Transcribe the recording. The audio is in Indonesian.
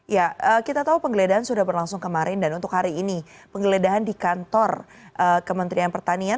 ya kita tahu penggeledahan sudah berlangsung kemarin dan untuk hari ini penggeledahan di kantor kementerian pertanian